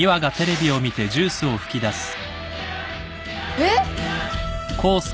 えっ！？